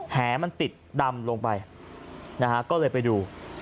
แหมันติดดำลงไปนะฮะก็เลยไปดู